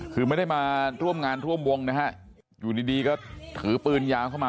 คือไม่ได้มาร่วมงานร่วมวงนะฮะอยู่ดีดีก็ถือปืนยาวเข้ามา